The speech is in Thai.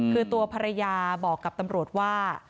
คือตัวภรรยาบอกกับตำรวจว่า